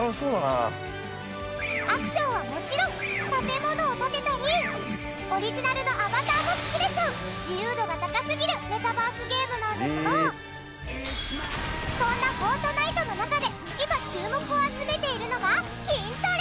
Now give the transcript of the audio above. アクションはもちろん建物を建てたりオリジナルのアバターも作れちゃう自由度が高すぎるメタバースゲームなんですがそんな『ＦＯＲＴＮＩＴＥ』の中で今注目を集めているのが筋トレ！